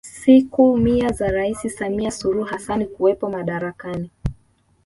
Siku mia za Rais Samia Suluhu Hassan kuwepo madarakani